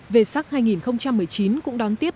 về sắc hai nghìn một mươi chín cũng đón tiếp